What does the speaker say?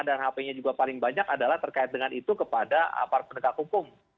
dan hp nya juga paling banyak adalah terkait dengan itu kepada apart pendekat hukum